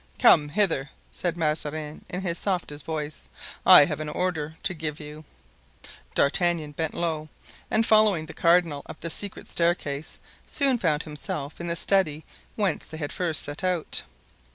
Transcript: "Come hither," said Mazarin in his softest voice; "I have an order to give you." D'Artagnan bent low and following the cardinal up the secret staircase, soon found himself in the study whence they had first set out.